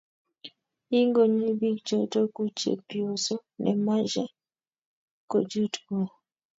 igonyi biik choto kuu chepyoso ne mache kochut go